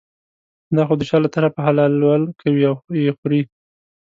دا خو د شا له طرفه حلالول کوي او یې خوري.